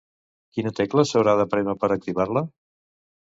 Quina tecla s'haurà de prémer per activar-la?